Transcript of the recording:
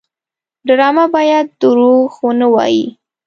ډرامه باید دروغ ونه وایي